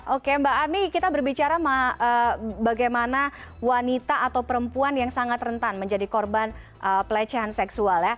oke mbak ami kita berbicara bagaimana wanita atau perempuan yang sangat rentan menjadi korban pelecehan seksual